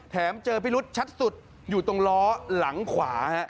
เจอพิรุษชัดสุดอยู่ตรงล้อหลังขวา